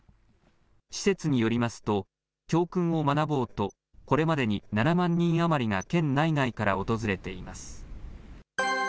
施設によりますと、教訓を学ぼうと、これまでに７万人余りが県内外から訪れています。